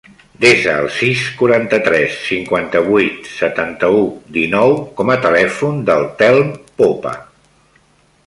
Desa el sis, quaranta-tres, cinquanta-vuit, setanta-u, dinou com a telèfon del Telm Popa.